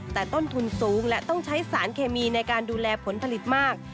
แต่ต้นทุนสูงและต้องใช้สารเคมีในการดูแลผลผลิตมาก